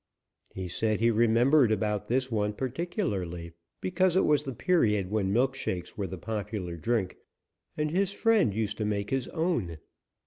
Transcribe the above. He said he remembered about this one particularly, because it was the period when milk shakes were the popular drink, and his friend used to make his own.